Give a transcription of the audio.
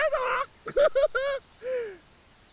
ウフフフ！